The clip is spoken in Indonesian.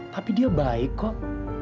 tapi dia baik kok